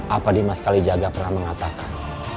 apa dimas kalijaga pernah mengatakan